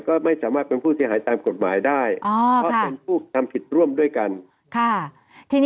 ก็ไม่สามารถเป็นผู้เสียหายตามกฎหมายได้เพราะเป็นผู้ทำผิดร่วมด้วยกัน